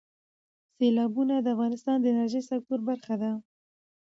سیلابونه د افغانستان د انرژۍ سکتور برخه ده.